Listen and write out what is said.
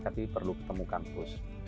tapi perlu ketemu kampus